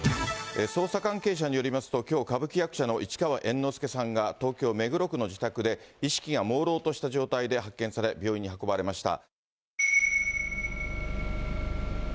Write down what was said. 捜査関係者によりますと、きょう、歌舞伎役者の市川猿之助さんが東京・目黒区の自宅で、意識がもうろうとした状態で発見され、病院に運ばれました。